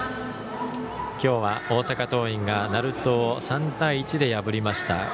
きょうは大阪桐蔭が鳴門を３対１で破りました。